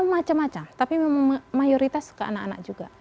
macam macam tapi mayoritas suka anak anak juga